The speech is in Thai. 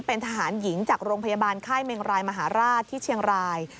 เป็นทหารหญิงจากโรงพยาบาลค่ายเมงรายมหาราชที่เชียงราย